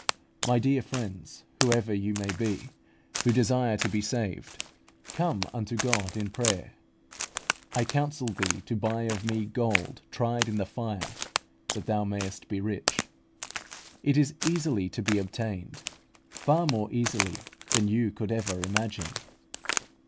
My dear friends, whoever you may be, who desire to be saved, come unto God in prayer. "I counsel thee to buy of me gold tried in the fire, that thou mayest be rich" (Rev. iii. 18). It is easily to be obtained, far more easily than you could ever imagine.